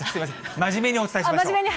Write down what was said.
真面目にお伝えしましょう。